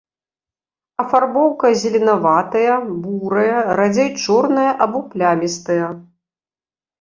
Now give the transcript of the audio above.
Афарбоўка зеленаватая, бурая, радзей чорная або плямістая.